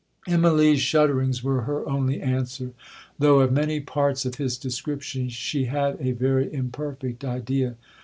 'Immalee's shudderings were her only answer, (though of many parts of his description she had a very imperfect idea).